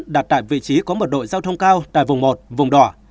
đặt tại vị trí có một đội giao thông cao tại vùng một vùng đỏ